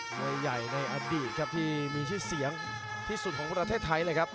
มวยใหญ่ในอดีตครับที่มีชื่อเสียงที่สุดของประเทศไทยเลยครับ